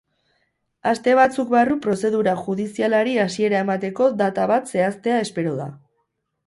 Aste batzuk barru prozedura judizialari hasiera emateko data bat zehaztea espero da.